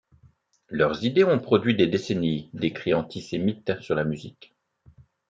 Leurs idées ont produit des décennies d'écrits antisémites sur la musique.